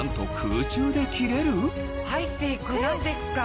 ⁉入っていく何ですか？